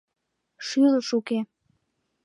Шӱлыш уке.